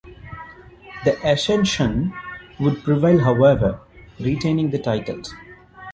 The Ascension would prevail however, retaining the titles.